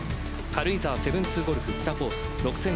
軽井沢７２ゴルフ北コース